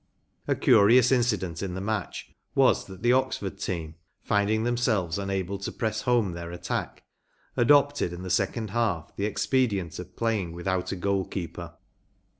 A curious incident in the match was that the Oxford team, finding themselves unable to press home their attack, adopted in the second half the expedient of playing without a goal keeper.